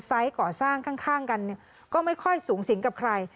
ก่อสร้างข้างกันก็ไม่ค่อยสูงสิงกับใคร